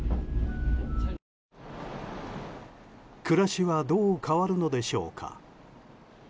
暮らしはどう変わるのでしょうか。